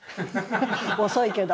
遅いけど。